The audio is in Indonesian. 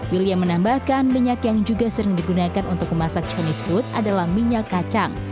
william menambahkan minyak yang juga sering digunakan untuk memasak chonese food adalah minyak kacang